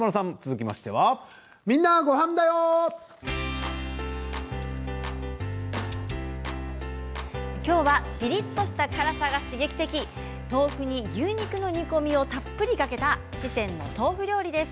きょうはピリッとした辛さが刺激的豆腐に牛肉の煮込みをたっぷりかけた四川の豆腐料理です。